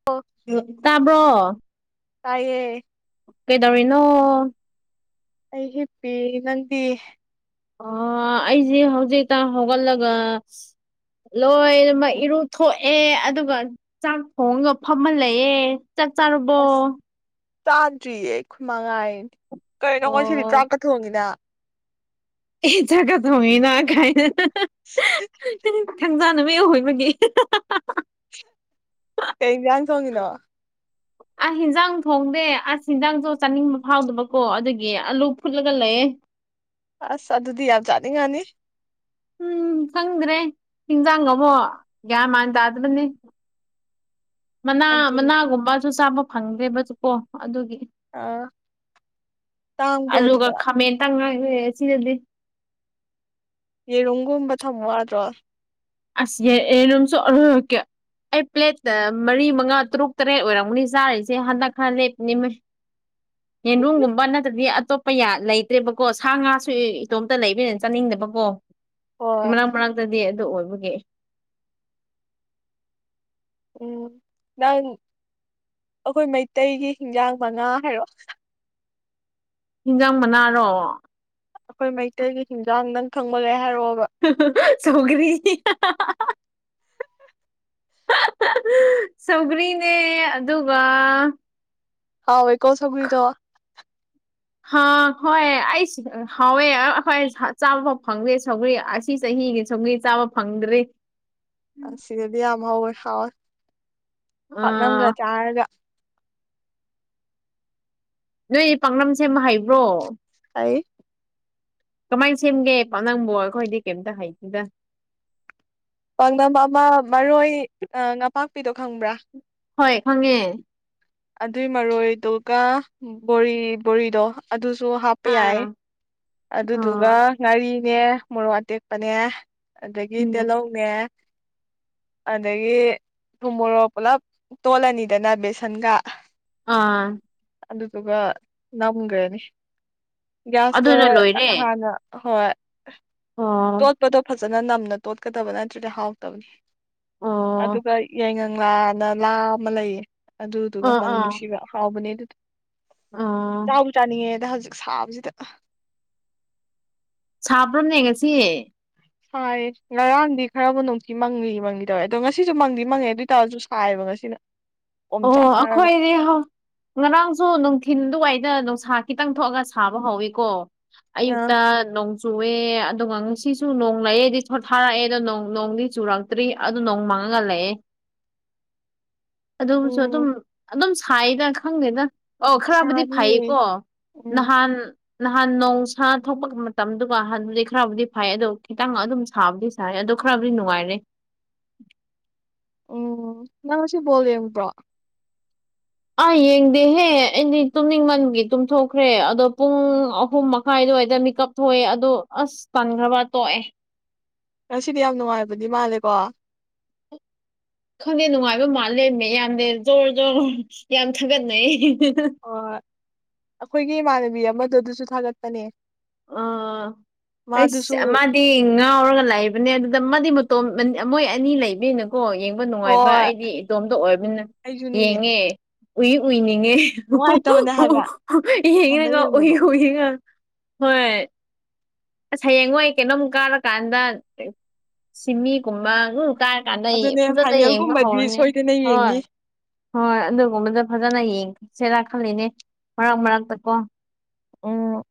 [unintelligible] ꯇꯥꯕ꯭ꯔꯣ ꯇꯥꯏꯌꯦ ꯀꯩꯗꯧꯔꯤꯅꯣ ꯇ ꯍꯄꯤ ꯅꯪꯗꯤ ꯑ ꯑꯩꯁꯦ ꯍꯧꯖꯤꯛꯇ ꯍꯧꯒꯠꯂꯒ ꯂꯣꯏꯅꯃꯛ ꯏꯔꯨ ꯊꯣꯛꯑꯦ ꯑꯗꯨꯒ ꯆꯥꯛ ꯊꯣꯡꯉꯒ ꯐꯝꯍꯜꯂꯌꯦꯦ ꯆꯥꯛ ꯆꯥꯔꯨꯕꯣ ꯑꯁ ꯆꯥꯗ꯭ꯔꯤꯌꯦ ꯈꯣꯏꯃ ꯉꯥꯏꯔꯤꯅ ꯀꯧꯅꯤ ꯉꯣꯁꯤꯗꯤ ꯑꯣ ꯇ꯭ꯔꯥꯛꯀ ꯊꯣꯡꯉꯤꯅ ꯏ ꯆꯒ ꯊ ꯍꯏꯅꯥ ꯀꯥꯏꯅ [unintelligible] ꯖꯥꯟꯗ ꯅꯨꯝꯇ ꯍꯣꯏꯕꯒꯤ ꯀꯧ ꯌꯥꯟꯖꯤꯡ ꯊꯣꯡꯏꯅꯣ ꯑꯁ ꯍꯟꯖꯥꯡ ꯊꯣꯡꯗꯦ ꯑꯁ ꯍꯟꯖꯥꯡꯁꯨ ꯆꯥꯅꯤꯡꯕ ꯐꯥꯎꯗꯕꯀꯣ ꯑꯗꯨꯒꯤ ꯑꯂꯨ ꯐꯨꯠꯂꯒ ꯂꯩꯌꯦ ꯑꯁ ꯑꯗꯨꯗꯤ ꯌꯥꯝ ꯆꯥꯅꯤꯡꯉꯥꯅꯤ ꯎꯝ ꯈꯪꯗ꯭ꯔꯦ ꯍꯤꯟꯖꯥꯡꯅꯀꯣ ꯒ꯭ꯌꯥꯟ ꯃꯥꯟꯅ ꯇꯥꯗꯕꯅꯤ ꯃꯅꯥ ꯑꯗꯨꯅꯤ ꯃꯅꯥꯒꯨꯝꯕꯁꯨ ꯆꯥꯕ ꯐꯪꯗ꯭ꯔꯦꯕꯁꯨ ꯀꯣ ꯑꯗꯨꯒꯤ ꯑꯥ ꯇꯥꯡꯕ꯭ꯔꯣ ꯑꯂꯨꯒ ꯑꯗꯨꯗ ꯈꯥꯃꯦꯟꯇꯪꯉꯥꯏꯈꯔ ꯁꯤꯗꯗꯤ ꯌꯦꯔꯨꯝꯒꯨꯝꯕ ꯊꯝꯃꯪ ꯌꯥꯗ꯭ꯔꯣ ꯑꯁ ꯌꯣꯔꯝꯁꯨ ꯑꯍꯨꯃ ꯝꯢꯀꯤ ꯑꯩ ꯄ꯭ꯂꯦꯠꯇ ꯃꯔꯤ ꯃꯉꯥ ꯇꯔꯨꯛ ꯇꯔꯦꯠ ꯑꯣꯏꯔꯝꯒꯅꯤ ꯆꯥꯔꯤꯁꯦ ꯍꯟꯗꯛ ꯈꯔ ꯂꯦꯞꯄꯅꯤ [unintelligible] ꯌꯦꯟꯔꯨꯝꯒꯨꯝꯕ ꯅꯠꯇ꯭ꯔꯗꯤ ꯑꯇꯣꯞꯄ ꯂꯩꯇ꯭ꯔꯦꯕꯀꯣ ꯁꯥ ꯉꯥꯁꯨ ꯏꯇꯣꯝꯇ ꯂꯩꯕꯅꯤꯅ ꯆꯥꯅꯤꯡꯗꯕꯀꯣ ꯍꯣꯏ ꯃꯔꯛ ꯃꯔꯛꯇꯗꯤ ꯑꯗꯨ ꯑꯣꯏꯕꯒꯤ ꯎꯝ ꯅꯪ ꯑꯩꯈꯣꯏ ꯃꯩꯇꯩꯒꯤ ꯍꯤꯟꯖꯥꯡ ꯃꯉꯥ ꯍꯥꯏꯔꯣ ꯍꯤꯟꯖꯥꯡ ꯃꯅꯥꯔꯣ ꯑꯩꯈꯣꯏ ꯃꯩꯇꯩꯒꯤ ꯍꯤꯟꯖꯥꯡ ꯅꯪ ꯈꯪꯕꯒ ꯍꯥꯏꯔꯛꯑꯣꯕ ꯁꯣꯒꯔꯤ ꯁꯧꯒ꯭ꯔꯤꯅꯦ ꯑꯗꯨꯒ ꯍꯥꯎ ꯑꯩꯀꯣ ꯁꯒꯣꯏꯗ ꯍ ꯍꯣꯏ ꯑꯩꯁꯨ ꯍꯥꯎꯋꯦ ꯑꯩꯈꯣꯏ ꯆꯥꯕꯐꯥꯎ ꯐꯪꯗꯦ ꯁꯧꯒ꯭ꯔꯤ ꯑꯁ ꯁꯤ ꯆꯍꯤꯒꯤ ꯁꯧꯒꯔꯤ ꯆꯥꯕ ꯐꯪꯗ꯭ꯔꯦ ꯁꯤꯗꯗꯤ ꯌꯥꯝ ꯍꯧꯌꯦ ꯍꯥꯎꯌꯦ ꯑ ꯄꯥꯛꯅꯝꯒ ꯆꯥꯔꯒ ꯅꯣꯏꯗꯤ ꯄꯥꯛꯅꯝ ꯁꯦꯝꯕ ꯍꯩꯕ꯭ꯔꯣ ꯍꯩ ꯀꯃꯥꯏꯅ ꯁꯦꯝꯒꯦ ꯄꯛꯅꯝꯕꯨ ꯑꯩꯈꯣꯏꯗꯤ ꯀꯩꯝꯇ ꯍꯩꯇꯦꯗ ꯄꯥꯡꯅꯝ ꯑꯃ ꯃꯔꯣꯏ ꯅꯄꯥꯛꯄꯤꯗꯣ ꯈꯪꯕ꯭ꯔꯥ ꯍꯣꯏ ꯈꯪꯉꯦ ꯑꯗꯨꯏ ꯃꯔꯣꯏ ꯇꯨꯒꯥ ꯕꯣꯔꯤ ꯕꯣꯔꯤꯗꯣ ꯑꯗꯨꯁꯨ ꯍꯥꯞꯄ ꯌꯥꯏ ꯑꯥ ꯑꯗꯨꯗꯨꯒ ꯑꯥ ꯉꯥꯔꯤꯅꯦ ꯃꯣꯔꯣꯛ ꯑꯇꯦꯛꯄꯅꯦ ꯑꯗꯨꯗꯒꯤ ꯎꯝ ꯇꯤꯍꯧꯅꯦ ꯑꯗꯒꯤ ꯊꯨꯝꯃꯣꯔꯣꯛ ꯄꯨꯂꯞ ꯇꯣꯠꯂꯅꯤꯗꯅ ꯕꯦꯁꯟꯒ ꯑꯥ ꯑꯗꯨꯗꯨꯒ ꯅꯝꯈ꯭ꯔꯅꯤ ꯒ꯭ꯌꯥꯁꯇ ꯑꯗꯨꯅ ꯂꯣꯏꯔꯦ ꯍꯥꯟꯅ ꯍꯣꯏ ꯑꯣ ꯇꯣꯠꯄꯗꯣ ꯐꯖꯅ ꯅꯝꯅ ꯇꯣꯠꯀꯗꯕ ꯅꯠꯇ꯭ꯔꯗꯤ ꯍꯥꯎꯇꯕꯅꯤ ꯑꯣ ꯑꯗꯨꯒ ꯌꯥꯏꯉꯥꯜ ꯂꯥ ꯑꯃ ꯂꯩꯌꯦ ꯑꯗꯨꯗꯨꯒ ꯑꯣ ꯃꯅꯝ ꯅꯨꯡꯁꯤꯕ ꯍꯥꯎꯕꯅꯦ ꯑꯗꯨ ꯑꯥ ꯆꯥꯕꯨ ꯆꯥꯅꯤꯡꯉꯦꯗ ꯍꯧꯖꯤꯛ ꯁꯥꯕꯁꯤꯗ ꯁꯕ꯭ꯔꯣꯅꯦ ꯉꯥꯁꯤ ꯁꯥꯏꯌꯦ ꯉꯔꯥꯡꯗꯤ ꯈꯔꯕꯨ ꯅꯨꯡꯊꯤ ꯃꯪꯉꯤ ꯃꯪꯉꯤ ꯇꯧꯋꯦ ꯑꯗꯣ ꯉꯁꯤꯁꯨ ꯃꯪꯗꯤ ꯃꯪꯉꯦ ꯑꯗꯨ ꯑꯣꯏꯇꯥꯔꯁꯨ ꯁꯥꯏꯌꯦꯕ ꯉꯁꯤꯅ ꯑꯣꯝ ꯑꯣ ꯆꯥꯛꯅꯔꯒ ꯑꯩꯈꯣꯏꯗꯤ ꯉꯔꯥꯡꯁꯨ ꯅꯨꯡꯊꯤꯟ ꯑꯗꯨꯋꯥꯏꯗ ꯅꯨꯡꯁꯥ ꯈꯤꯇꯪ ꯊꯣꯛꯑꯒ ꯁꯥꯕ ꯍꯧꯋꯤꯀꯣ ꯑ ꯑꯌꯛꯇ ꯅꯣꯡ ꯆꯨꯑꯦ ꯑꯗꯨꯒ ꯉꯁꯤꯁꯨ ꯅꯣꯡ ꯂꯩꯑꯦꯗꯤ ꯁꯣꯠꯊꯥꯔꯛꯑꯦ ꯑꯗꯣ ꯅꯣꯡꯗꯤ ꯆꯨꯔꯦ ꯇꯔꯤ ꯑꯗꯨ ꯅꯣꯡ ꯃꯥꯡꯉꯒ ꯂꯩꯑꯦ ꯑꯗꯨꯕꯨꯁꯨ ꯑꯗꯨꯝ ꯎꯝ ꯑꯗꯨꯝ ꯁꯥꯏꯗ ꯈꯪꯗꯦꯗ ꯑꯧ ꯈꯔꯕꯨꯗꯤ ꯁꯥꯅꯤꯌꯦ ꯐꯩꯌꯦꯀꯣ ꯎꯝ ꯅꯍꯥꯟ ꯅꯍꯥꯟ ꯅꯧꯁ ꯊꯣꯛꯄ ꯃꯇꯝꯗꯨꯒꯥꯟꯕꯨꯗꯤ ꯈꯔꯕꯨꯗꯤ ꯐꯩ ꯑꯗꯣ ꯈꯤꯇꯪ ꯑꯗꯨꯝ ꯁꯥꯕꯗꯤ ꯁꯥꯌꯦ ꯑꯗꯣ ꯈꯔꯕꯨꯗꯤ ꯅꯨꯡꯉꯥꯏꯔꯦ ꯎꯝ ꯅꯪꯁꯨ ꯕꯣꯜ ꯌꯦꯡꯕ꯭ꯔꯣ ꯑꯥ ꯌꯦꯡꯗꯦꯍꯦ ꯑꯩꯗꯤ ꯇꯨꯝꯅꯤꯡꯃꯟꯒꯤ ꯇꯨꯝꯊꯣꯛꯈ꯭ꯔꯦ ꯑꯗꯣ ꯄꯨꯡ ꯑꯍꯨꯝ ꯃꯈꯥꯏ ꯑꯗꯨꯋꯥꯏꯗ ꯃꯤꯀꯞ ꯊꯣꯛꯑꯦ ꯑꯗꯣ ꯑꯁ ꯄꯟꯈ꯭ꯔꯕ ꯇꯣꯛꯑꯦ ꯉꯁꯤꯗꯤ ꯌꯥꯝ ꯅꯨꯡꯉꯥꯏꯕꯗꯤ ꯃꯥꯜꯂꯦꯀꯣ ꯈꯪꯗꯦ ꯅꯨꯡꯉꯥꯏꯕ ꯃꯥꯜꯂꯦ ꯌꯥꯝꯗꯤ ꯖꯣꯔ ꯖꯣꯔ ꯌꯥꯝ ꯊꯥꯒꯠꯅꯩ ꯑꯣ ꯑꯩꯈꯣꯏꯒꯤ ꯏꯃꯥꯟꯅꯕꯤ ꯑꯃꯗꯨ ꯑꯗꯨꯁꯨ ꯊꯥꯒꯠꯄꯅꯦ ꯑꯣ ꯃꯥꯗꯨꯁꯨ ꯑꯩꯁ ꯃꯥ ꯉꯥꯎꯔꯒ ꯂꯩꯕꯅꯦ ꯑꯗꯨꯗ ꯃꯥꯗꯤ ꯃꯇꯣꯝ ꯃꯣꯏ ꯑꯅꯤ ꯂꯩꯕꯤꯅꯀꯣ ꯅꯨꯡꯉꯥꯏꯕ ꯍꯣꯏ ꯑꯩꯗꯤ ꯏꯗꯣꯝꯇ ꯑꯣꯏꯔꯕꯅꯤꯅ ꯑꯩꯁꯨꯅꯤꯅꯦ ꯌꯦꯡꯉꯦ ꯎꯏ ꯎꯏꯅꯤꯡꯉꯦ ꯅꯨꯡꯉꯥꯏꯇꯕꯅꯦ ꯍꯥꯏꯕ ꯏ ꯏꯊꯟꯗ ꯍꯉ ꯎꯏ ꯌꯦꯡꯕꯗꯣ [inaudible] ꯎꯉ ꯍꯣꯏ ꯑꯁ ꯍꯌꯦꯡ ꯍꯣꯏ ꯀꯩꯅꯣꯝꯃ ꯀꯥꯔꯀꯥꯟꯗ ꯁꯤꯃꯤꯒꯨꯝꯕ ꯉ ꯀꯥꯔ ꯀꯥꯟꯅ ꯑꯗꯨꯅꯦ ꯐꯖꯅ ꯌꯦꯡꯕ ꯐꯥꯏꯅꯦꯜꯒꯨꯝꯕꯗꯤ ꯍꯧꯔꯅꯤ ꯁꯣꯏꯗꯅ ꯍꯣꯏ ꯌꯦꯡꯅꯤ ꯍꯣꯏ ꯑꯗꯨꯒꯨꯝꯕꯗ ꯐꯖꯅ ꯌꯦꯡꯁꯦꯔꯥ ꯈꯜꯂꯤꯅꯦ ꯃꯔꯛ ꯃꯔꯛꯇ ꯀꯣ ꯑꯝ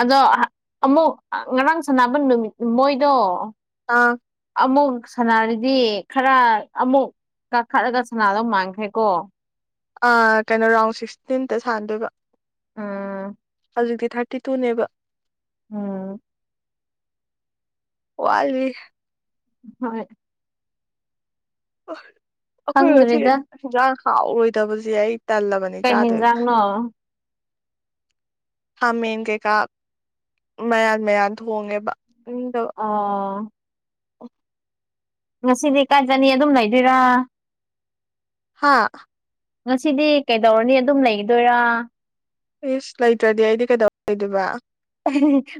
ꯑꯗꯣ ꯑꯃꯨꯛ ꯉꯔꯥꯡ ꯁꯥꯟꯅꯕ ꯅꯨꯃꯤꯠ ꯃꯣꯏꯗꯣ ꯑꯥ ꯑꯃꯨꯛ ꯁꯅꯔꯤꯗꯤ ꯈꯔ ꯑꯃꯨꯛ ꯀꯥꯈꯠꯂꯒ ꯁꯅꯥꯗꯧ ꯃꯥꯟꯈ꯭ꯔꯦ ꯀꯣ ꯑ ꯀꯩꯅꯣ ꯔꯥꯎꯟ ꯁꯤꯛꯁꯇꯤꯟꯗ ꯁꯥꯟꯗꯣꯏꯕ ꯑꯥꯝ ꯍꯧꯖꯤꯛꯇꯤ ꯊꯥꯔꯇꯤ ꯇꯨꯅꯦꯕ ꯎꯝ꯫ ꯋꯥꯠꯂꯤ꯫ ꯍꯣꯏ꯫ ꯑꯩꯈꯣꯏ ꯉꯁꯤ ꯈꯪꯗ꯭ꯔꯤꯗ ꯍꯟꯖꯥꯡ ꯍꯥꯎꯔꯣꯏꯗꯕꯁꯦ ꯑꯩ ꯇꯜꯂꯕꯅꯤ꯫ ꯀꯩ ꯆꯥꯗꯨꯏꯕ꯫ ꯈꯥꯃꯦꯟ ꯀꯩꯀꯥ ꯃꯌꯥꯟ ꯃꯌꯥꯟ ꯊꯣꯡꯉꯦꯕ ꯆꯥꯅꯤꯡꯗꯕ꯫ ꯑ ꯉꯁꯤꯗꯤ ꯀꯥꯏ ꯆꯅꯤ ꯑꯗꯨꯝ ꯂꯩꯗꯣꯏꯔꯥ꯫ ꯍꯥꯥ ꯉꯁꯤꯗꯤ ꯀꯩꯗꯧꯔꯅꯤ ꯑꯗꯨꯝ ꯂꯩꯒꯗꯣꯏꯔꯥ꯫ ꯏꯁꯁ ꯂꯩꯇ꯭ꯔꯗꯤ ꯑꯩꯗꯤ ꯀꯩꯗꯧꯔ ꯂꯩꯗꯨꯏꯕ ꯫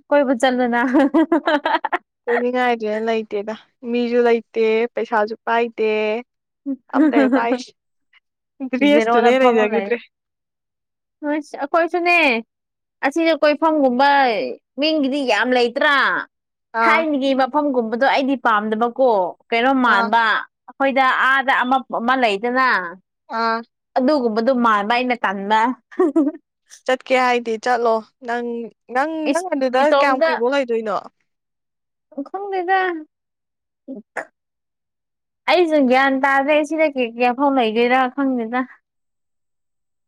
ꯀꯣꯏꯕ ꯆꯠꯂꯨ ꯅꯪ ꯀꯣꯏꯅꯤꯡꯉꯥꯏꯖꯦ ꯂꯩꯇꯦꯗ ꯃꯤꯁꯨ ꯂꯩꯇꯦ ꯄꯩꯁꯥꯁꯨ ꯄꯥꯏꯗꯦ꯫ ꯑꯝꯇ ꯍꯦꯛ ꯄꯥꯏꯗꯦ ꯗꯤꯁꯇꯨꯅ ꯍꯦꯟꯅꯥ ꯂꯩꯖꯈꯤꯗ꯭ꯔꯦ꯫ ꯍꯨꯁ ꯑꯩꯈꫭꯏꯁꯨꯅꯦ꯫ ꯑꯁꯤꯗ ꯀꯣꯏꯐꯝꯒꯨꯝꯕ ꯃꯤꯡꯒꯤꯗꯤ ꯌꯥꯝ ꯂꯩꯇ꯭ꯔꯥ꯫ ꯑꯥ ꯊꯥꯏꯅꯒꯤ ꯃꯐꯝꯒꯨꯝꯕꯗꯣ ꯑꯩꯗꯤ ꯄꯥꯝꯗꯕꯀꯣ ꯀꯩꯅꯣꯝ ꯑꯥ ꯃꯥꯟꯕ ꯑꯩꯈꯣꯏ ꯁꯤꯗ ꯑꯥꯗ ꯑꯃ ꯑꯃ ꯂꯩꯗꯅ ꯑꯥ ꯑꯗꯨꯒꯨꯝꯕꯗꯣ ꯃꯥꯟꯕ ꯑꯩꯅ ꯇꯟꯕꯥ ꯆꯠꯀꯦ ꯍꯥꯏꯗꯤ ꯆꯠꯂꯣ ꯅꯪ ꯅꯪ ꯅꯪ ꯏꯁ ꯑꯗꯨꯗ ꯀꯌꯥꯝ ꯏꯇꯣꯝꯇ ꯀꯨꯏꯐꯥꯎ ꯂꯩꯗꯣꯏꯅꯣ꯫ ꯈꯪꯗꯦꯗ [unintelligible] ꯑꯩꯁꯨ ꯒ꯭ꯌꯥꯟ ꯇꯥꯗ꯭ꯔꯦ ꯁꯤꯗꯒꯤ ꯀꯌꯥꯐꯥꯎ ꯂꯩꯗꯣꯏꯔꯥ ꯈꯪꯗꯦꯗ꯫ [inaudible]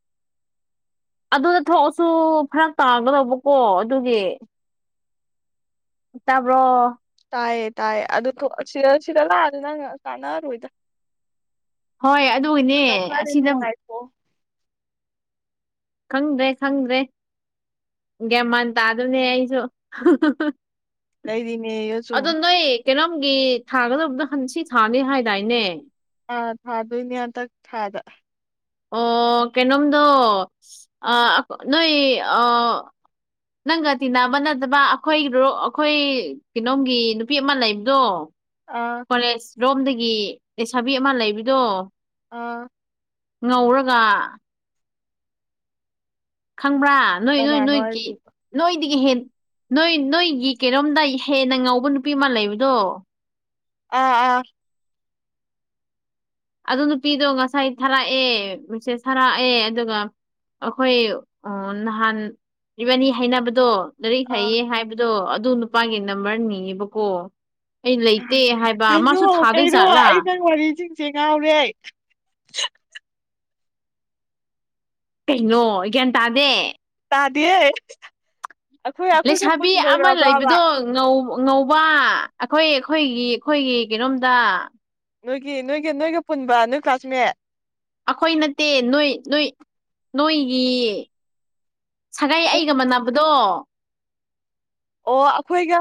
ꯑꯗꯨꯗ ꯊꯣꯛꯑꯁꯨ ꯐꯔꯛ ꯇꯥꯒꯗꯧꯕꯀꯣ ꯑꯗꯨꯒꯤ ꯇꯥꯕ꯭ꯔꯣ ꯇꯥꯏꯌꯦ ꯇꯥꯏꯌꯦ ꯑꯗꯨ ꯊꫭꯛ ꯁꯤꯗ ꯁꯤꯗ ꯂꯥꯛꯑꯁꯨ ꯅꯪ ꯀꯥꯟꯅꯔꫭꯏꯗ ꯍꯣꯏ ꯑꯗꯨꯒꯤꯅꯦ ꯃꯇꯝ ꯈꯔꯗꯤ ꯑꯁꯤꯗ ꯅꯨꯡꯉꯥꯏ ꯊꫭꯛꯑꫭ ꯈꯪꯗ꯭ꯔꯦ ꯈꯪꯗ꯭ꯔꯦ ꯒꯌ꯭ꯥꯟ ꯃꯥꯟ ꯇꯥꯗꯕꯅꯦ ꯑꯩꯁꯨ ꯂꯩꯔꯤꯅꯦꯌꯣ ꯁꯨꯝ ꯑꯗ ꯅꯣꯏ ꯀꯩꯅꯣꯝꯒꯤ ꯊꯥꯒꯗꯕꯗꯣ ꯍꯟ ꯁꯤ ꯊꯥꯅꯤ ꯍꯥꯏꯗꯥꯏꯅꯦ꯫ ꯑꯥ ꯊꯥꯗꯣꯏꯅꯦ ꯍꯟꯗꯥꯛ ꯊꯥꯗ꯫ ꯑꯣ ꯀꯩꯅꯣꯝꯗꯣ ꯑ ꯅꯣꯏ ꯑ ꯅꯪꯒ ꯇꯤꯟꯅꯕ ꯅꯠꯇꯕ ꯑꯩꯈꯣꯏꯒꯤ ꯔꫭ ꯑꯩꯈꯣꯏ ꯀꯩꯅꯣꯝꯒꯤ ꯅꯨꯄꯤ ꯑꯃ ꯂꯩꯕꯗꯣ꯫ ꯑꯥ ꯀꯣꯂꯦꯖ ꯔꯣꯝꯗꯒꯤ ꯂꯩꯁꯥꯕꯤ ꯑꯃ ꯂꯩꯕꯗꯣ꯫ ꯑꯥ ꯉꯧꯔꯒ ꯈꯪꯕ꯭ꯔꯥ ꯅꯣꯏ ꯅꯣꯏ ꯀꯅꯥꯅꯣ ꯅꯣꯏꯒꯤ ꯍꯥꯏꯁꯤꯕꯣ ꯅꯣꯏꯗꯒꯤ ꯍꯦꯟ ꯅꯣꯏ ꯅꯣꯏꯒꯤ ꯀꯩꯅꯣꯝꯗ ꯍꯦꯟꯅ ꯉꯧꯕ ꯅꯨꯄꯤ ꯑꯃ ꯂꯩꯕꯗꯣ꯫ ꯑꯥ ꯑꯥ ꯑꯗꯨ ꯅꯨꯄꯤꯗꯣ ꯉꯁꯥꯏ ꯊꯥꯔꯛꯑꯦ ꯃꯦꯁꯦꯁ ꯊꯔꯛꯑꯦ ꯑꯗꯨꯒ ꯑꯩꯈꯣꯏ ꯑꫭ ꯅꯍꯥꯟ ꯏꯕꯥꯅꯤ ꯍꯥꯏꯅꯕꯗꯣ ꯂꯔꯤꯛ ꯑꯥ ꯍꯩꯌꯦ ꯍꯥꯏꯕꯗꯣ ꯑꯗꯨ ꯅꯨꯄꯥꯒꯤ ꯅꯝꯕꯔ ꯅꯤꯌꯦꯕꯀꯣ꯫ ꯑꯩ ꯂꯩꯇꯦ ꯍꯥꯏꯕ ꯀꯩꯅꯣ ꯃꯥꯁꯨ ꯊꯥꯗꯣꯏ ꯀꯩꯅꯣ ꯖꯥꯠꯂꯥ ꯑꯩ ꯅꯪ ꯋꯥꯔꯤꯁꯤꯡꯁꯦ ꯉꯥꯎ꯭ꯔꯦ꯫ ꯀꯩꯅꯣ ꯒ꯭ꯌꯥꯟ ꯇꯥꯗꯦ꯫ ꯇꯥꯗꯦ ꯫ ꯂꯩꯁꯥꯕꯤ ꯑꯃ ꯂꯩꯕꯗꯣ꯫ ꯉꯧ ꯉꯧꯕ ꯑꯩꯈꯣꯏ ꯑꯩꯈꯣꯏꯒꯤ ꯑꯩꯈꯣꯏꯒꯤ ꯀꯩꯅꯣꯝꯗ꯫ ꯅꯣꯏꯒꯤ ꯅꯣꯏꯒꯤ ꯅꯣꯏꯒ ꯄꯨꯟꯕ ꯅꯣꯏ ꯀ꯭ꯂꯥꯁꯃꯦꯠ꯫ ꯑꯩꯈꯣꯏ ꯅꯠꯇꯦ ꯅꯣꯏ ꯅꯣꯏ ꯅꯣꯏꯒꯤ ꯁꯒꯥꯏ ꯑꯩꯒ ꯑꯩꯈꯣꯏ ꯃꯥꯟꯅꯕꯗꯣ ꯑꯣ ꯑꯩꯈꯣꯏꯒ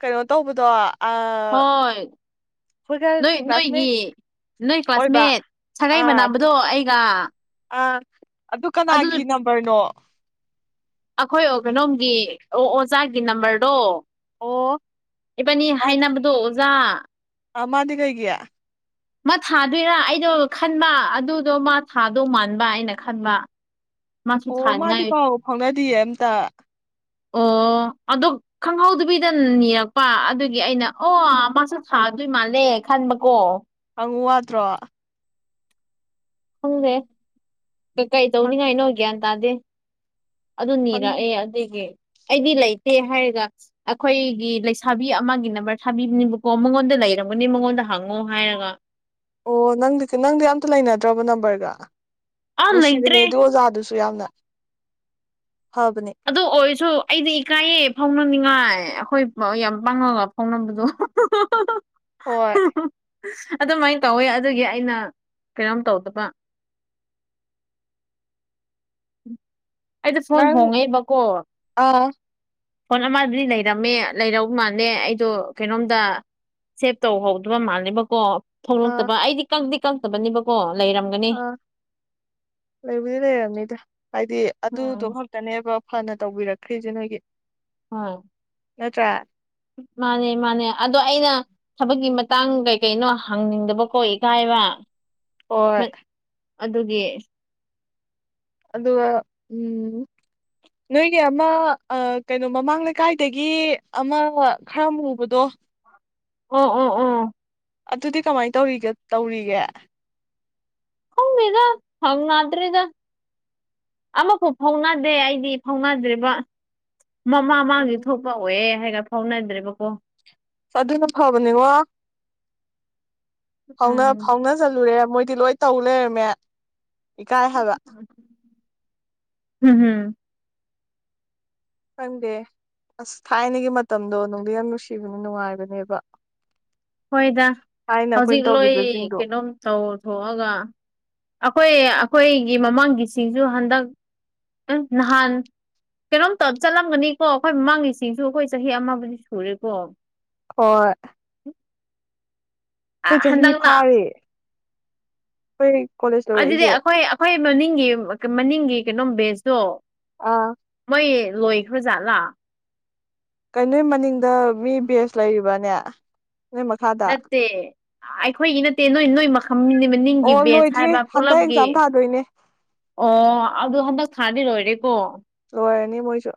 ꯀꯩꯅꯣ ꯇꯧꯕꯗꯣ ꯑꯩꯈꯣꯏꯒ ꯍꯣꯏ ꯅꯣꯏ ꯀ꯭ꯂꯥꯁꯃꯦꯠ ꯅꯣꯏꯒꯤ ꯅꯣꯏ ꯑꯣꯏꯕ ꯀ꯭ꯂꯥꯁꯃꯦꯠ ꯁꯥꯒꯩ ꯃꯅꯥꯕꯗꯣ ꯑꯩꯒ ꯑ ꯑꯗꯨ ꯀꯅꯥꯒꯤ ꯅꯝꯕꯔꯅꯣ ꯑꯩꯈꯣꯏ ꯑꯣ ꯀꯩꯅꯣꯝꯒꯤ ꯑꯣ ꯑꯣꯖꯥꯒꯤ ꯅꯝꯕꯔꯗꯣ ꯑꯣ ꯏꯕꯥꯅꯤ ꯍꯥꯏꯅꯕꯗꯣ ꯑꯣꯖꯥ ꯑꯃꯗꯤ ꯀꯩꯒꯤ ꯃꯥ ꯊꯥꯗꯣꯏꯔꯥ ꯑꯩꯗꯣ ꯈꯟꯕ ꯑꯗꯨꯗꯣ ꯃꯥ ꯊꯥꯗꯧ ꯃꯥꯟꯕ ꯑꯩꯅ ꯈꯟꯕ ꯃꯥꯁꯨ ꯑꯣ ꯃꯥꯗꯤ ꯊꯥꯅꯤꯡꯉꯥꯏ ꯄꯥꯎ ꯐꯥꯎꯅꯗꯤꯌꯦ ꯑꯝꯇ ꯑꯗꯨ ꯈꯪꯍꯧꯗꯕꯤꯗ ꯅꯤꯔꯛꯄ ꯑꯗꯨꯒꯤ ꯑꯩꯅ ꯑꯣ ꯃꯥꯁꯨ ꯊꯥꯗꯣꯏ ꯃꯥꯜꯂꯦ ꯈꯟꯕꯀꯣ ꯍꯪꯉꯨ ꯋꯥꯠꯇ꯭ꯔꯣ ꯈꯪꯗꯦ ꯀꯩ ꯈꯪ ꯇꯧꯅꯤꯉꯥꯏ ꯅꯣ ꯒ꯭ꯌꯥꯟ ꯇꯥꯗꯦ ꯑꯗꯨ ꯈꯪ ꯅꯤꯔꯛꯑꯦ ꯑꯗꯨꯗꯒꯤ ꯑꯩꯗꯤ ꯂꯩꯇꯦ ꯍꯥꯏꯔꯒ ꯑꯩꯈꯣꯏꯒꯤ ꯂꯩꯁꯥꯕꯤ ꯑꯃꯒꯤ ꯅꯝꯕꯔ ꯊꯥꯕꯤꯕꯅꯦꯕꯀꯣ ꯃꯉꯣꯟꯗ ꯂꯩꯔꯝꯒꯅꯤ ꯃꯉꯣꯟꯗ ꯍꯪꯉꯣ ꯍꯥꯏꯔꯒ ꯑꯣ ꯅꯪꯗꯤ ꯅꯪꯗꯤ ꯑꯝꯇ ꯂꯩꯅꯗ꯭ꯔꯕꯣ ꯅꯝꯕꯔꯒ ꯑꯥ ꯅꯨꯡꯁꯤꯕꯅꯦ ꯂꯩꯇ꯭ꯔꯦ ꯑꯗꯨ ꯑꯣꯖꯥꯗꯨꯁꯨ ꯌꯥꯝꯅ ꯐꯕꯅꯦ ꯑꯗꯨ ꯑꯣꯏꯔꯁꯨ ꯑꯩꯗꯤ ꯏꯀꯥꯏꯌꯦ ꯐꯥꯎꯅꯅꯤꯡꯉꯥꯏ ꯑꯩꯈꯣꯏ ꯌꯥꯝ ꯄꯥꯡꯉꯒ ꯐꯥꯎꯅꯕꯗꯣ ꯍꯣꯏ ꯑꯗꯨꯃꯥꯏꯅ ꯇꯧꯋꯦ ꯑꯗꯨꯒꯤ ꯑꯩꯅ ꯀꯩꯅꯣꯝ ꯇꯧꯗꯕ ꯑꯩꯗꯣ ꯐꯣꯟ ꯅꯪ ꯍꯣꯡꯉꯦꯕꯀꯣ ꯑꯥ ꯐꯣꯟ ꯑꯃꯗꯨꯗꯤ ꯂꯩꯔꯝꯃꯦ ꯂꯩꯔꯃꯥꯜꯂꯦ ꯑꯩꯗꯣ ꯀꯩꯅꯣꯝꯗ ꯁꯦꯞ ꯇꯧꯍꯧꯗꯕ ꯃꯥꯜꯂꯦꯕꯀꯣ ꯑꯥ ꯊꯣꯛꯂꯛꯇꯕ ꯑꯩꯗꯤ ꯀꯛꯇꯤ ꯀꯛꯇꯕꯅꯦꯕꯀꯣ ꯂꯩꯔꯝ ꯑꯥ ꯂꯩꯕꯨꯗꯤ ꯂꯩꯔꯝꯅꯤꯗ ꯍꯥꯏꯗꯤ ꯑꯗꯨꯗꯣ ꯎꯝ ꯈꯛꯇꯅꯦꯕ ꯐꯅ ꯇꯧꯕꯤꯔꯛꯈ꯭ꯔꯤꯁꯦ ꯅꯣꯏꯒꯤ ꯍꯣꯏ ꯅꯠꯇ꯭ꯔ ꯃꯥꯅꯦ ꯃꯥꯅꯦ ꯑꯗꯣ ꯑꯩꯅ ꯊꯕꯛꯀꯤ ꯃꯇꯥꯡ ꯀꯩ ꯀꯩꯅꯣ ꯍꯪꯅꯤꯡꯗꯕꯀꯣ ꯏꯀꯥꯏꯕ ꯍꯣꯏ ꯑꯗꯨꯒꯤ ꯑꯗꯨ ꯎꯝ ꯅꯣꯏꯒꯤ ꯑꯃ ꯀꯩꯅꯣ ꯃꯃꯥꯡ ꯂꯩꯀꯥꯏꯗꯒꯤ ꯑꯃ ꯈꯔ ꯃꯨꯕꯗꯣ ꯑꯣ ꯑꯣ ꯑꯣ ꯑꯗꯨꯗꯤ ꯀꯃꯥꯏꯅ ꯇꯧꯔꯤꯒꯦ ꯇꯧꯔꯤꯒꯦ ꯈꯪꯗꯦꯗ ꯍꯪꯅꯗ꯭ꯔꯦꯗ ꯑꯃꯐꯥꯎ ꯐꯥꯎꯅꯗꯦ ꯑꯩꯗꯤ ꯐꯥꯎꯅꯗ꯭ꯔꯤꯕ ꯃꯃꯥ ꯃꯥꯡꯒꯤ ꯎꯝ ꯊꯣꯛꯄ ꯑꯣꯏꯑꯦ ꯍꯥꯏꯒ ꯐꯥꯎꯅꯗ꯭ꯔꯦꯕꯀꯣ ꯑꯗꯨꯅ ꯐꯕꯅꯤꯉꯣ ꯐꯥꯎ ꯎꯝ ꯐꯥꯎꯅ ꯆꯜꯂꯨꯔꯦ ꯃꯣꯏꯗꯤ ꯂꯣꯏ ꯇꯧ ꯂꯩꯔꯝꯃꯦ ꯏꯀꯥꯏ ꯍꯥꯏꯕ ꯍꯝ ꯍꯝ ꯈꯪꯗꯦ ꯑꯁ ꯊꯥꯏꯅꯒꯤ ꯃꯇꯝꯗꯣ ꯅꯨꯡꯗꯤ ꯌꯥꯝ ꯅꯨꯡꯁꯤꯕꯅꯦ ꯅꯨꯡꯉꯥꯏꯕꯅꯦꯕ ꯍꯣꯏꯗ ꯊꯥꯏꯅ ꯑꯩꯈꯣꯏꯅ ꯍꯧꯖꯤꯛ ꯂꯣꯏ ꯇꯧꯈꯤꯕꯁꯤꯡꯗꯣ ꯀꯩꯅꯣꯝ ꯇꯧꯊꯣꯛꯑꯒ ꯑꯩꯈꯣꯏ ꯑꯩꯈꯣꯏꯒꯤ ꯃꯃꯥꯡꯒꯤꯁꯤꯡꯁꯨ ꯍꯟꯗꯛ ꯎꯝ ꯅꯍꯥꯟ ꯀꯩꯅꯣꯝꯇ ꯆꯠꯂꯝꯒꯅꯤꯀꯣ ꯑꯩꯈꯣꯏ ꯃꯃꯥꯡꯒꯤꯁꯤꯡꯁꯨ ꯑꯩꯈꯣꯏ ꯆꯍꯤ ꯑꯃꯕꯨꯗꯤ ꯁꯨꯔꯦꯀꯣ ꯍꯣꯏ ꯑꯩꯈꯣꯏ ꯆꯍꯤ ꯍꯟꯗꯛꯅ ꯐꯥꯔꯦ ꯑꯩꯈꯣꯏ ꯀꯣꯂꯦꯖ ꯑꯗꯨꯗꯤ ꯂꯣꯏꯔꯛꯏꯁꯦ ꯑꯩꯈꯣꯏ ꯑꯩꯈꯣꯏ ꯃꯅꯤꯡꯒꯤ ꯃꯅꯤꯡꯒꯤ ꯀꯩꯅꯣꯝ ꯕꯦꯖꯇꯣ ꯑ ꯃꯣꯏ ꯂꯣꯏꯈ꯭ꯔꯖꯥꯠꯂ ꯀꯩꯅꯣ ꯅꯣꯏ ꯃꯅꯤꯡꯗ ꯃꯤ ꯕꯦꯁ ꯂꯩꯔꯤꯕꯅꯦ ꯅꯣꯏ ꯃꯈꯥꯗ ꯅꯠꯇꯦ ꯑꯩꯈꯣꯏꯒꯤ ꯅꯠꯇꯦ ꯅꯣꯏ ꯅꯣꯏ ꯃꯈꯥ ꯅꯤꯡꯒꯤ ꯑꯣ ꯕꯦꯁ ꯂꯣꯏꯗ꯭ꯔꯤ ꯍꯥꯏꯕ ꯍꯟꯗꯛ ꯄꯨꯂꯞꯒꯤ ꯑꯦꯛꯖꯥꯝ ꯊꯥꯗꯣꯏꯅꯦ ꯑꯣ ꯑꯗꯨ ꯍꯟꯗꯛ ꯊꯥꯗꯤ ꯂ ꯑꯣꯏꯔꯦꯀꯣ ꯑꯣꯏꯣꯏꯅꯤ ꯃꯣꯏꯁꯨ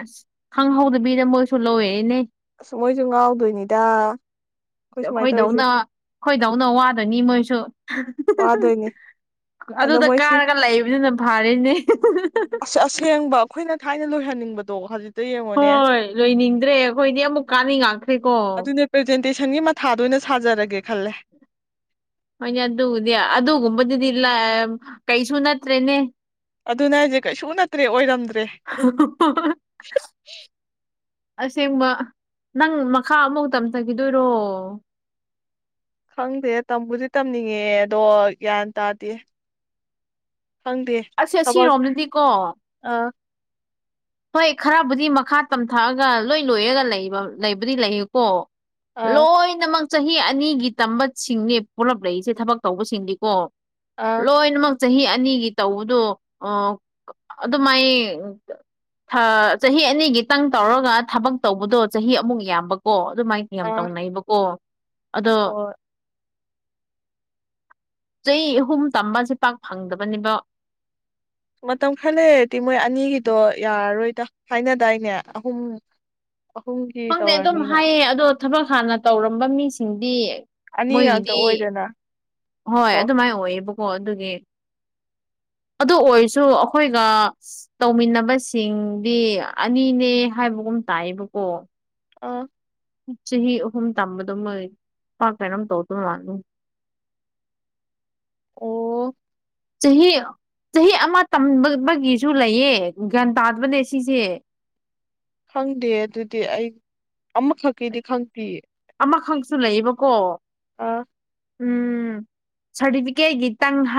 ꯑꯁ ꯈꯪꯍꯧꯗꯕꯤꯗ ꯃꯣꯏꯁꯨ ꯂꯧꯋꯦ ꯏꯅꯦ ꯑꯁ ꯃꯣꯏꯁꯨ ꯉꯥꯎꯗꯣꯏꯅꯤꯗ ꯑꯩꯈꯣꯏ ꯁꯨꯃꯥꯏꯅ ꯇꯧꯔꯤꯁꯦ ꯑꯩꯈꯣꯏꯗꯧꯅ ꯑꯩꯈꯣꯏꯗꯧꯅ ꯋꯥꯗꯅꯤ ꯃꯣꯏꯁꯨ ꯋꯥꯗꯣꯏꯅꯦ ꯑꯗꯣ ꯑꯗꯨꯗ ꯃꯣꯏꯁꯤ ꯀꯥꯔꯒ ꯂꯩꯕꯅꯤꯅ ꯐꯔꯤꯅꯦ ꯑꯁꯦꯡꯕ ꯑꯩꯈꯣꯏꯅ ꯊꯥꯏꯅ ꯂꯣꯏꯍꯟꯅꯤꯡꯕꯗꯣ ꯍꯧꯖꯤꯛ ꯍꯣꯏ ꯂꯣꯏꯅꯤꯡꯗ꯭ꯔꯦ ꯑꯩꯈꯣꯏꯗꯤ ꯑꯃꯨꯛ ꯀꯥꯅꯤꯡ ꯉꯥꯛꯈ꯭ꯔꯦꯀꯣ ꯑꯗꯨꯅꯦ ꯄ꯭ꯔꯖꯦꯟꯇꯦꯁꯟꯒꯤ ꯃꯊꯥꯗ ꯑꯣꯏꯅ ꯁꯥꯖꯔꯒꯦ ꯈꯜꯂꯦ ꯍꯣꯏꯅꯦ ꯑꯗꯨꯕꯨꯗꯤ ꯑꯗꯨꯒꯨꯝꯕꯗꯨꯗꯤ ꯀꯩꯁꯨ ꯅꯠꯇ꯭ꯔꯦꯅꯦ ꯑꯗꯨꯅ ꯍꯥꯏꯁꯦ ꯀꯩꯁꯨ ꯅꯠꯇ꯭ꯔꯦ ꯑꯣꯏꯔꯝꯗ꯭ꯔꯦ ꯑꯁꯦꯡꯕ ꯅꯪ ꯃꯈꯥ ꯑꯃꯐ ꯇꯝꯊꯈꯤꯗꯣꯏꯔꯣ ꯈꯪꯗꯦ ꯇꯝꯕꯨꯗꯤ ꯇꯝꯅꯤꯡꯉꯦ ꯑꯗꯣ ꯒ꯭ꯌꯥꯟ ꯇꯥꯗꯦ ꯐꯪꯗꯦ ꯑꯁ ꯁꯤꯔꯣꯝꯅꯗꯤꯀꯣ ꯑ ꯍꯣꯏ ꯈꯔꯕꯨꯗꯤ ꯃꯈꯥ ꯇꯝꯊꯛꯑꯒ ꯂꯣꯏ ꯂꯣꯏꯔꯒ ꯂꯩꯕ ꯂꯩꯕꯨꯗꯤ ꯂꯩ ꯀꯣ ꯑꯥ ꯂꯣꯏꯅꯃꯛ ꯆꯍꯤ ꯑꯅꯤꯒꯤ ꯇꯝꯕꯁꯤꯡꯅꯦ ꯄꯨꯂꯞ ꯂꯩꯛꯏꯁꯦ ꯊꯕꯛ ꯇꯧꯕꯁꯤꯡꯗꯤꯀꯣ ꯑꯥ ꯂꯣꯏꯅꯃꯛ ꯆꯍꯤ ꯑꯅꯤꯒꯤ ꯇꯧꯕꯗꯣ ꯑꯗꯨꯃꯥꯏꯅ ꯆꯍꯤ ꯑꯅꯤꯒꯤꯇꯪ ꯇꯧꯔꯒ ꯊꯕꯛ ꯇꯧꯕꯗꯣ ꯆꯍꯤ ꯑꯃꯨꯛ ꯌꯥꯝꯕꯀꯣ ꯑꯗꯨꯃꯥꯏꯅ ꯌꯥꯝ ꯑꯥ ꯇꯧꯅꯩꯑꯕꯀꯣ ꯑꯗꯣ ꯍꯣꯏ ꯆꯍꯤ ꯑꯍꯨꯝ ꯇꯝꯕꯁꯦ ꯄꯥꯛ ꯐꯪꯗꯕꯅꯦꯕ ꯃꯇꯝ ꯈꯔ ꯂꯩꯔꯗꯤ ꯃꯣꯏ ꯑꯅꯤꯒꯤꯗꯣ ꯌꯥꯔꯔꯣꯏꯗ ꯍꯥꯏꯅꯗꯥꯏꯅꯦ ꯑꯍꯨꯝ ꯑꯍꯨꯝꯒꯤ ꯈꯪꯗꯦ ꯑꯗꯨꯝ ꯇꯧꯔꯅꯤꯅ ꯍꯥꯏꯌꯦ ꯑꯗꯣ ꯊꯕꯛ ꯍꯥꯟꯅ ꯇꯧꯔꯝꯕ ꯃꯤꯁꯤꯡꯗꯤ ꯑꯅꯤ ꯉꯥꯛꯇ ꯃꯣꯏꯒꯤꯗꯤ ꯑꯣꯏꯗꯅ ꯍꯣꯏ ꯀꯣ ꯑꯗꯨꯃꯥꯏꯅ ꯑꯣꯏꯌꯦꯕꯀꯣ ꯑꯗꯨꯒꯤ ꯑꯗꯨ ꯑꯣꯏꯔꯁꯨ ꯑꯩꯈꯣꯏꯒ ꯇꯧꯃꯤꯟꯅꯕꯁꯤꯡꯗꯤ ꯑꯅꯤꯅꯦ ꯍꯥꯏꯕꯒꯨꯝ ꯇꯥꯏꯌꯦꯕꯀꯣ ꯑꯣ ꯆꯍꯤ ꯑꯍꯨꯝ ꯇꯝꯕꯗꯣ ꯃꯣꯏ ꯄꯥꯛ ꯀꯩꯅꯣꯝ ꯇꯧ ꯑꯗꯨꯝ ꯂꯥꯛꯅꯤ ꯑꯣ ꯆꯍꯤ ꯆꯍꯤ ꯑꯃ ꯇꯒꯤꯁꯨ ꯂꯩꯌꯦ ꯒ꯭ꯌꯥꯟ ꯇꯥꯗꯕꯅꯦ ꯁꯤꯁꯦ ꯈꯪꯗꯦ ꯑꯗꯨꯗꯤ ꯑꯩ ꯑꯃꯈꯛꯀꯤꯗꯤ ꯈꯪꯕꯤꯌꯦ ꯑꯃꯈꯛꯁꯨ ꯂꯩꯌꯦꯕꯀꯣ ꯑꯥ ꯎꯝ ꯁꯥꯔꯇꯤꯐꯤꯀꯦꯠ ꯈꯤꯇꯪ ꯍꯥꯏ